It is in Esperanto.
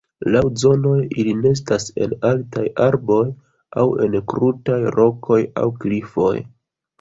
Laŭ zonoj, ili nestas en altaj arboj aŭ en krutaj rokoj aŭ klifoj.